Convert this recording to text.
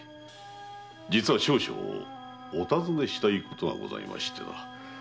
実は少々お尋ねしたいことがございましてな。